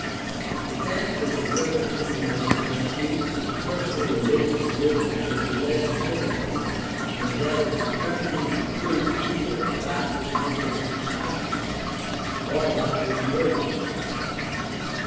— The task of recovering information about Jesus' personal rehgious Hving is less difl&cult than that of determining the truth either about his messianic consciousness or about his miracles.